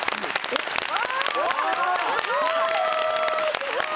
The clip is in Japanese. すごい！